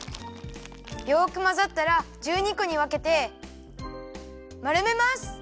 よくまざったら１２こにわけてまるめます。